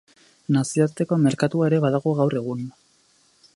Nazioarteko merkatua ere badago gaur egun.